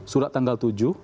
surat tanggal tujuh